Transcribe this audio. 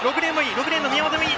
６レーンの宮本もいい。